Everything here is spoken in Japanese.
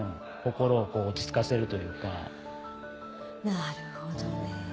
なるほどね。